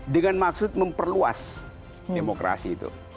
dengan maksud memperluas demokrasi itu